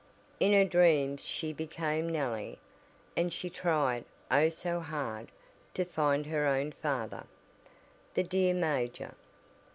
In her dreams she became Nellie, and she tried, oh, so hard, to find her own father, the dear major.